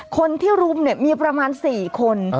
คนที่รุมเนี่ยมีประมาณ๔คน